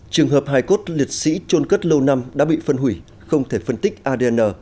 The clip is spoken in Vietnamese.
trường hợp hài cốt liệt sĩ trôn cất lâu năm đã bị phân hủy không thể phân tích adn